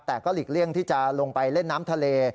แต่ก็หลีกเลี่ยงที่จะลงไปเล่นน้ำทะเล